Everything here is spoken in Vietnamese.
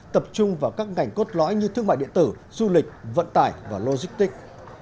tập trung vào các ngành cốt lõi như thương mại điện tử du lịch vận tải và logistics